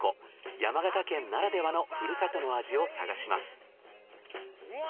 山形県ならではのふるさとの味を探します。